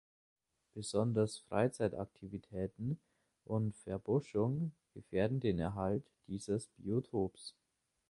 Besonders Freizeitaktivitäten und Verbuschung gefährden den Erhalt dieses Biotops.